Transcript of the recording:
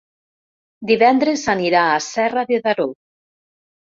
Divendres anirà a Serra de Daró.